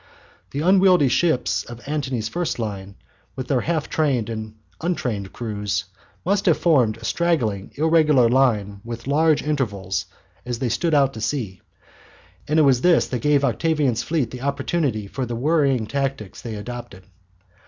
The unwieldy ships of Antony's first line, with their half trained and untrained crews, must have formed a straggling irregular line with large intervals as they stood out to sea, and it was this that gave Octavian's fleet the opportunity for the worrying tactics they adopted.